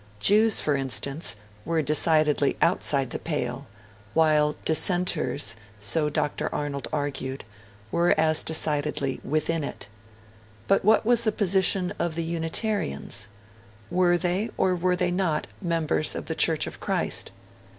Jews, for instance, were decidedly outside the pale; while Dissenters so Dr. Arnold argued were as decidedly within it. But what was the position of the Unitarians? Were they, or were they not, members of the Church of Christ?